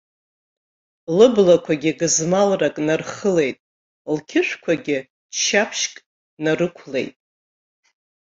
Лыблақәагьы гызмалрак нархылеит, лқьышәқәагьы ччаԥшьк нарықәлеит.